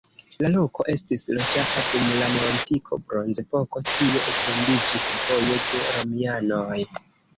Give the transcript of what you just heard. La loko estis loĝata dum la neolitiko, bronzepoko, tie etendiĝis vojo de romianoj.